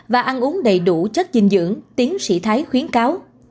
và ăn uống đầy đủ chất dinh dưỡng tiến sĩ thái khuyến cáo